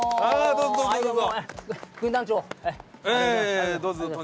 どうぞどうぞどうぞ。